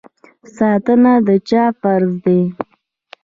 ساتنه د چا فرض دی؟